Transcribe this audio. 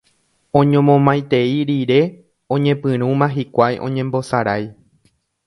Oñomomaitei rire oñepyrũma hikuái oñembosarái